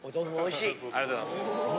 ありがとうございます。